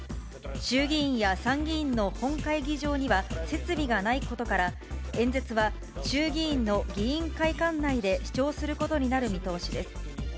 衆議院や参議院の本会議場には設備がないことから、演説は衆議院の議員会館内で視聴することになる見通しです。